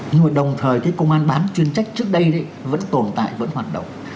nhưng mà đồng thời cái công an bán chuyên trách trước đây vẫn tồn tại vẫn hoạt động